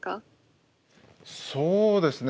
そうですね。